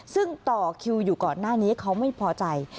ซึ่งต่อคิวอยู่ก่อนหน้านี้เขาไม่พอใจ